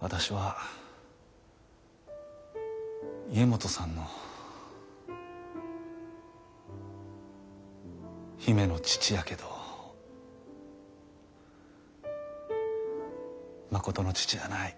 私は家基さんの姫の父やけどまことの父やない。